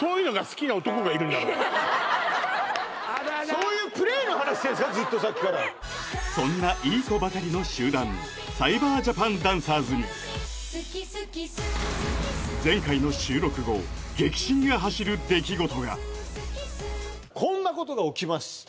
そういうプレーの話ですかずっとさっきからそんないい子ばかりの集団サイバージャパンダンサーズにが走る出来事がこんなことが起きました